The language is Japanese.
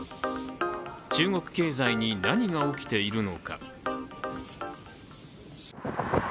中国経済に何が起きているのか。